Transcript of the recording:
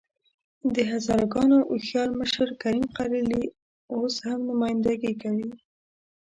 د هزاره ګانو هوښیار مشر کریم خلیلي اوس هم نمايندګي کوي.